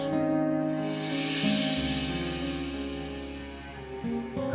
apa yang di